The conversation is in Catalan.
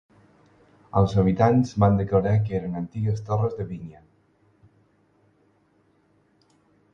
Els habitants van declarar que eren antigues torres de vinya.